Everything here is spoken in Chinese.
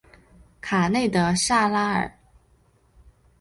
卡内德萨拉尔。